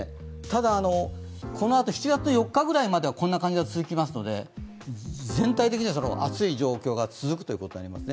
ただ、このあと７月４日くらいまでこんな感じが続きますので全体的には暑い状況が続くということになります。